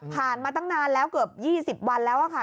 มาตั้งนานแล้วเกือบ๒๐วันแล้วค่ะ